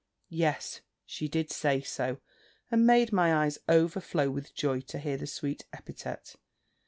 Yes, she did say so! and made my eyes overflow with joy to hear the sweet epithet.